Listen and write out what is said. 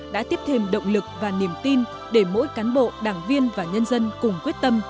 đã tiếp thêm động lực và niềm tin để mỗi cán bộ đảng viên và nhân dân cùng quyết tâm